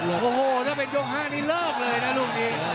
โอ้โหถ้าเป็นยก๕นี่เลิกเลยนะลูกนี้